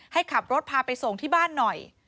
ให้ขับรถพาไปส่งที่บ้านหน่อย